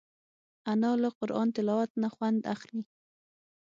انا له قرآن تلاوت نه خوند اخلي